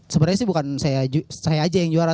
sebenarnya sih bukan saya aja yang juara